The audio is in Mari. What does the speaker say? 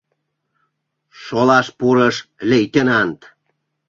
— шолаш пурыш лейтенант.